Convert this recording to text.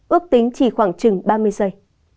ước tính chỉ khoảng chừng ba mươi giây